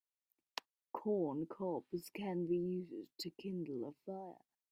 Corn cobs can be used to kindle a fire.